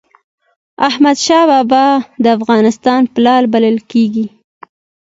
احمد شاه بابا د افغانستان پلار بلل کېږي.